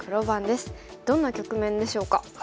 どんな局面でしょうか。